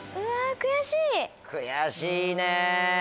悔しいね。